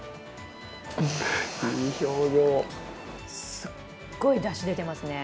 すっごい、だし出てますね。